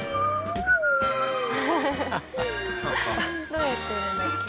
どうやってやるんだっけ？